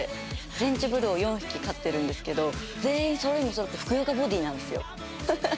フレンチブルを４匹飼ってるんですけど全員そろいもそろってふくよかボディーなんですよ。